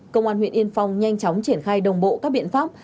công an huyện yên phong nhanh chóng triển khai đồng bộ các biện pháp